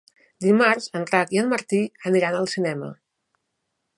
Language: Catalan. Dimarts en Drac i en Martí aniran al cinema.